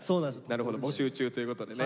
なるほど募集中ということでね。